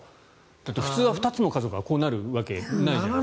普通は２つの家族がこうなるわけないじゃないですか。